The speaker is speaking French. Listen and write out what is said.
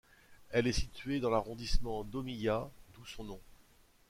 Elle est située dans l'arrondissement d'Ōmiya, d'où son nom.